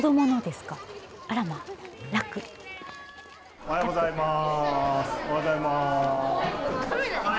おはようございます。